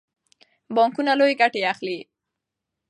بانکونه لویې ګټې اخلي.